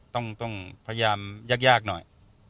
ต้องพยายามยากหน่อย